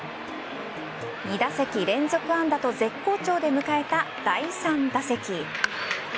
２打席連続安打と絶好調で迎えた第３打席。